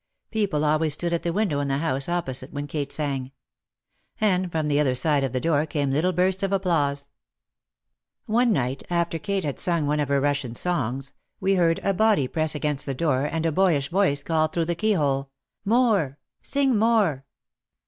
People always stood at the window in the house opposite when Kate sang. And from the other side of the door came little bursts of applause. One night, after Kate had sung one of her Russian songs, we heard a body press against the door and a boyish voice call through the keyhole, "More! sing more